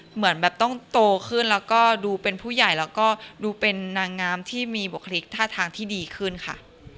เหมือนแบบต้องโตขึ้นแล้วก็ดูเป็นผู้ใหญ่แล้วก็ดูเป็นนางงามที่มีบุคลิกท่าทางที่ดีขึ้นค่ะ